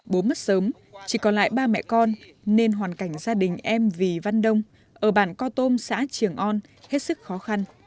bố mất sớm chỉ còn lại ba mẹ con nên hoàn cảnh gia đình em vì văn đông ở bản co tôm xã trường on hết sức khó khăn